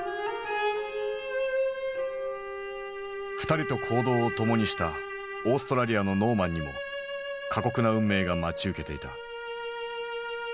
２人と行動を共にしたオーストラリアのノーマンにも過酷な運命が待ち受けていた。